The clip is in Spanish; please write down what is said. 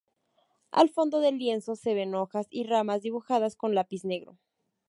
Al fondo del lienzo se ven hojas y ramas, dibujadas con lápiz negro.